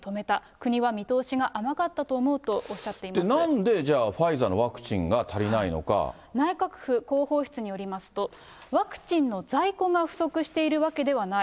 国は見通しが甘かったと思うとおなんでじゃあファイザーのワ内閣府広報室によりますと、ワクチンの在庫が不足しているわけではない。